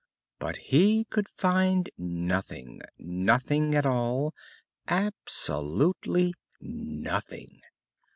But he could find nothing, nothing at all, absolutely nothing.